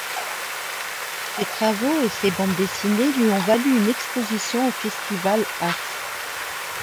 Ces travaux et ses bandes dessinées lui ont valu une exposition au festival Arf!